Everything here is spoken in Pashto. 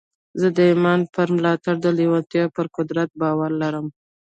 زه د ایمان پر ملاتړ د لېوالتیا پر قدرت باور لرم